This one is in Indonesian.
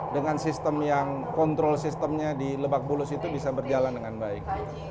dengan sistem yang kontrol sistemnya di lebak bulus itu bisa berjalan dengan baik